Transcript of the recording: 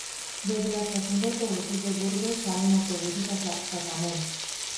Desde la Estación de Autobuses de Burgos, salen autobuses hacia Sasamón.